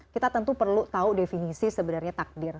kita tentu perlu tahu definisi sebenarnya takdir